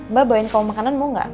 mbak bawain kalau makanan mau gak